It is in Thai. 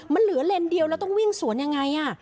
มันเหลือเลนเดียวแล้วต้องวิ่งสวนยังไง